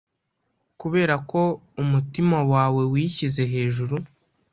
Kubera ko umutima wawe wishyize hejuru